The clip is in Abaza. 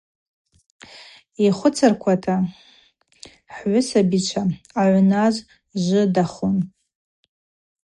Йхвыцыркӏвата хгӏвысабичва ъагӏвназ жвыдахун.